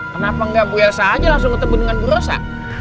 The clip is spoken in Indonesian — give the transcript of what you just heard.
kenapa nggak bu elsa aja langsung ketemu dengan bu elsa